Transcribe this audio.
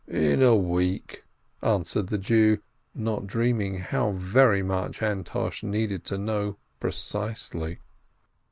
"In a week," answered the Jew, not dreaming how very much Antosh needed to know precisely.